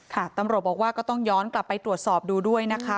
ตำรวจบอกว่าก็ต้องย้อนกลับไปตรวจสอบดูด้วยนะคะ